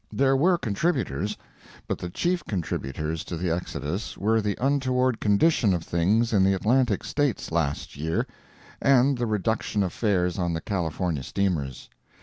There were contributors; but the chief contributors to the exodus were the untoward condition of things in the Atlantic States last year, and the reduction of fares on the California steamers.